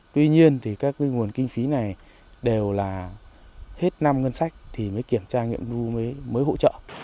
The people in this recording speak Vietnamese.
tuy nhiên thì các cái nguồn kinh phí này đều là hết năm ngân sách thì mới kiểm tra nghiệm thu mới hỗ trợ